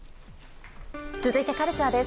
続いて、カルチャーです。